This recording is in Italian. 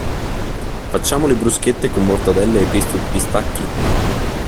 Facciamo le bruschette con mortadella e pesto di pistacchi?